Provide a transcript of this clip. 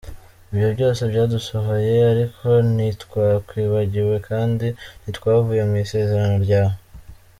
Ibyo byose byadusohoyeho ariko ntitwakwibagiwe, Kandi ntitwavuye mu isezerano ryawe.